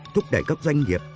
thúc đẩy các doanh nghiệp